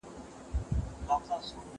هغه د ګډ ژوند اصول عملي کړي.